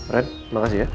red terima kasih ya